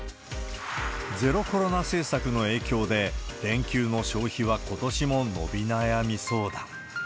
ゼロコロナ政策の影響で、連休の消費はことしも伸び悩みそうだ。